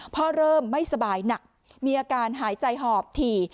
เริ่มไม่สบายหนักมีอาการหายใจหอบถี่